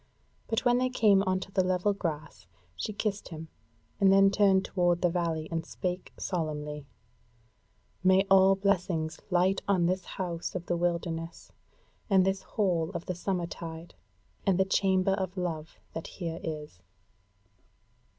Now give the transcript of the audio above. But when they came on to the level grass she kissed him, and then turned toward the valley and spake solemnly: "May all blessings light on this House of the wilderness and this Hall of the Summer tide, and the Chamber of Love that here is!"